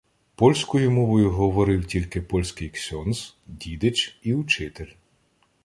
Польською мовою говорив тільки польський ксьондз, дідич і учитель.